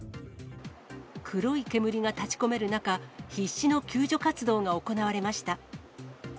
黒い煙が立ちこめる中、必死の救助活動が行われました。